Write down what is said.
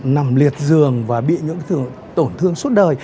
nằm liệt giường và bị những tổn thương suốt đời